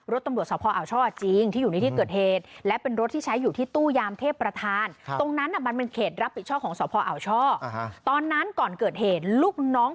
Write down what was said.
รถตำรวจสพอ่าวช่อจริงที่อยู่ในที่เกิดเหตุ